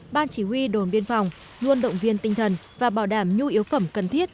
ban chỉ huy đồn biên phòng luôn động viên tinh thần và bảo đảm nhu yếu phẩm cần thiết